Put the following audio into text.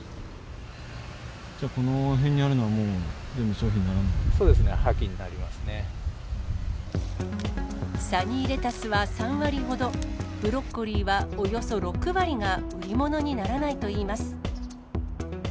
この辺にあるのは、もう全部そうですね、サニーレタスは３割ほど、ブロッコリーはおよそ６割が、売り物にならないといいます。